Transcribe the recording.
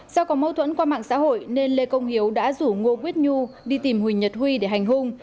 do có mâu thuẫn qua mạng xã hội nên lê công hiếu đã rủ ngô quýt nhu đi tìm huỳnh nhật huy để hành hung